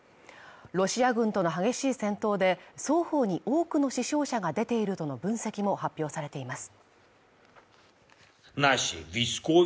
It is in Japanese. ロシア軍との激しい戦闘で双方に多くの死傷者が出ているとの分析も発表されています。